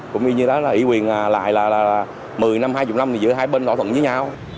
cũng như như đó là ủy quyền lại là một mươi năm hai mươi năm thì giữa hai bên thỏa thuận với nhau